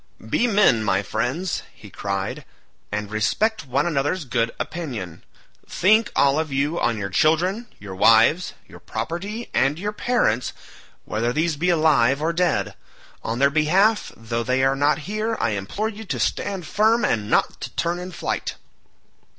"Be men, my friends," he cried, "and respect one another's good opinion. Think, all of you, on your children, your wives, your property, and your parents whether these be alive or dead. On their behalf though they are not here, I implore you to stand firm, and not to turn in flight."